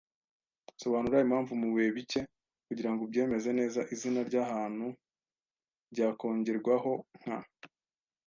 sobanura impamvu. Mubihe bike, kugirango ubyemeze neza, izina ryahantu ryakongerwaho, nk